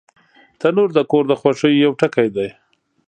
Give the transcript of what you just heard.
تنور د کور د خوښیو یو ټکی دی